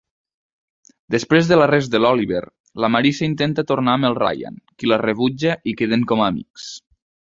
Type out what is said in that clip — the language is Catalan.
Després de l'arrest de l'Oliver, la Marissa intenta tornat amb el Ryan, qui la rebutja i queden com amics.